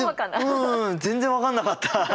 うん全然分かんなかった。